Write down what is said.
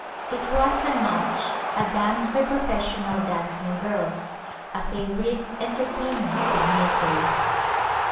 It was a Nautch^ a dance bv professional dancing girls, a favor ite entertainment with natives.